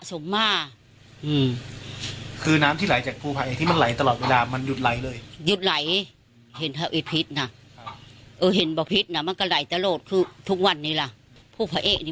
สมัยเนื่องไม่ใหญ่เมื่อน